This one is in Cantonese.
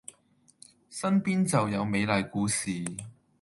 身邊就有美麗故事